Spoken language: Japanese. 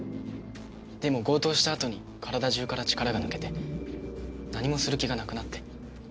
でも強盗したあとに体中から力が抜けて何もする気がなくなって。